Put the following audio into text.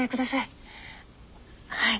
はい。